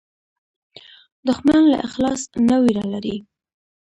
دښمن له اخلاص نه وېره لري